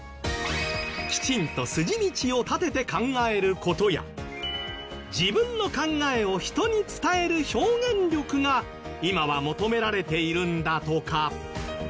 きちんと筋道を立てて考える事や自分の考えを人に伝える表現力が今は求められているんだとか